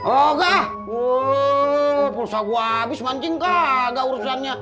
oh gah pulsa gua abis mancing kagak urusannya